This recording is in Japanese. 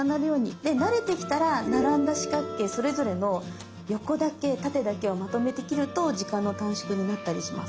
で慣れてきたら並んだ四角形それぞれの横だけ縦だけをまとめて切ると時間の短縮になったりします。